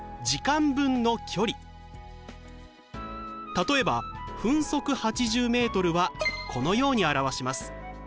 例えば分速８０ｍはこのように表します。